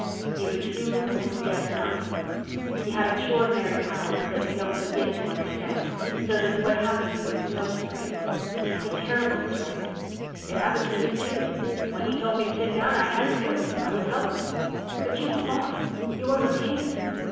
"He was human and yet not human. He had extraordinary powers that we don't begin to understand, so that what happened to you is no disgrace." "It's a terrible disgrace." "It happened to me, too. When he told me to sit down I had to do it. I was helpless." "But you fought! You overcame it."